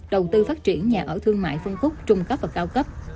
đầu tư phát triển nhà ở thương mại phân khúc trung cấp và cao cấp